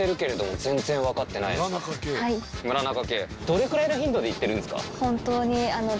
どれくらいの頻度で行ってるんですか？